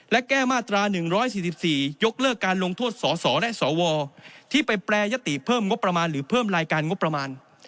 และแก้มาตรา๑๔๔ยกเลิกการลงโทษสสและสวที่ไปแปรยติเพิ่มงบประมาณหรือเพิ่มรายการงบประมาณ